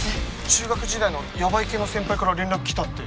中学時代のやばい系の先輩から連絡来たって。